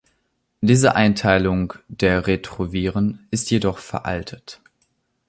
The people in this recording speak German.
Diese Einteilung der Retroviren ist jedoch veraltet.